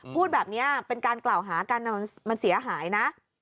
พูดแบบนี้เป็นการกล่าวหากันมันเสียหายนะ